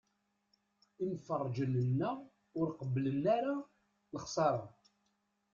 Imferrǧen-nneɣ ur qebblen ara lexṣara.